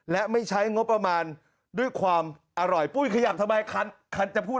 และไม่ใช้งบประมาณด้วยความอร่อยปุ้ยขยับทำไมคันจะพูด